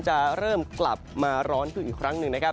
จะเริ่มกลับมาร้อนขึ้นอีกครั้งหนึ่งนะครับ